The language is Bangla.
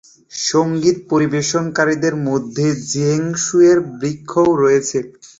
সঙ্গীত পরিবেশনকারীদের মধ্যে যিহোশূয়ের বৃক্ষও রয়েছে।